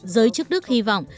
giới chức đức hy vọng